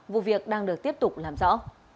vụ việc đang được tiếp tục làm rõ